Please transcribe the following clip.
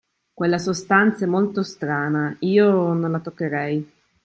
Quella sostanza è molto strana, io non la toccherei.